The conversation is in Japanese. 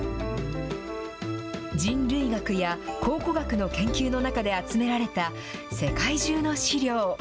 人類学や考古学の研究の中で集められた世界中の資料。